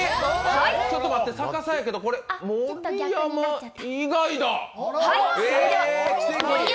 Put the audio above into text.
ちょっと待って、逆さやけど盛山以外だ！え、奇跡！